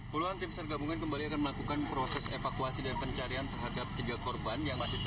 puluhan tim sar gabungan kembali akan melakukan proses